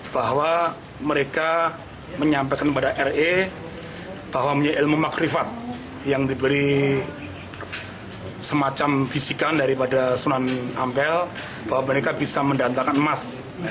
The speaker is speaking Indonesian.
bahwa mereka menyampaikan kepada re bahwa punya ilmu makrifat yang diberi semacam fisikan daripada sunan ampel bahwa mereka bisa mendatangkan emas